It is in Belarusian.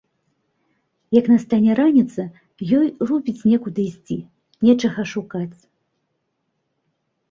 Як настане раніца, ёй рупіць некуды ісці, нечага шукаць.